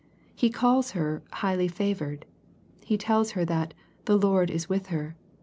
He calls her " highly favored.'' He tells her that " the Lord is with her."